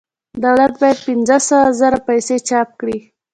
دولت باید پنځه سوه زره پیسې چاپ کړي